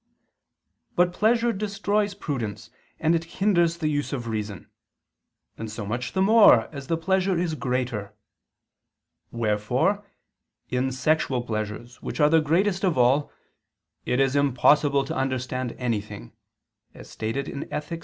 But pleasure destroys prudence and hinders the use of reason; and so much the more, as the pleasure is greater: wherefore "in sexual pleasures," which are the greatest of all, "it is impossible to understand anything," as stated in _Ethic.